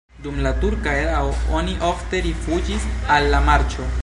Dum la turka erao oni ofte rifuĝis al la marĉo.